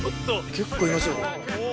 結構いますよ。